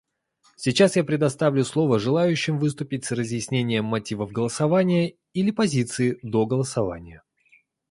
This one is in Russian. Сейчас я предоставлю слово желающим выступить с разъяснением мотивов голосования или позиции до голосования.